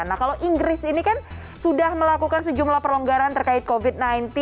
nah kalau inggris ini kan sudah melakukan sejumlah perlonggaran terkait covid sembilan belas